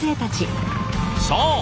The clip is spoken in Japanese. そう！